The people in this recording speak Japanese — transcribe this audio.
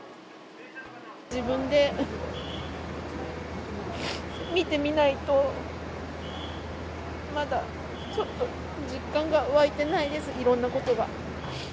自分で見てみないと、まだちょっと実感が湧いてないです、いろんなことが。